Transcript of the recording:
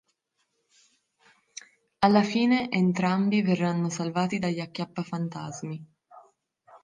Alla fine entrambi verranno salvati dagli acchiappafantasmi.